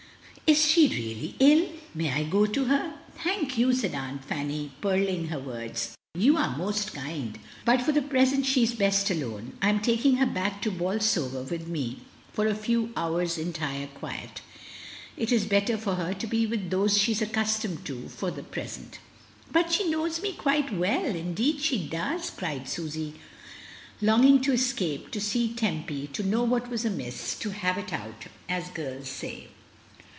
"Is she really ill? May I go to her?" "Thank you," said Aunt Fanny, pearling her words, "you are most kind; but for the present she is best alone. I am taking her back to Bolsover with me for a few hours' entire quiet; it is better for her to be with those she is accustomed to for the present." "But she knows me quite well, indeed she does," cried Susy, longing to escape, to see Tempy, to know what was amiss, to "have it out," as girls say.